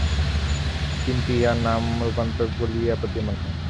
কিন্তু ইহা নামরূপান্তক বলিয়া প্রতীয়মান হয়।